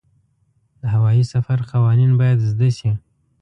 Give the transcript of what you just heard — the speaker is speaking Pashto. د هوايي سفر قوانین باید زده شي.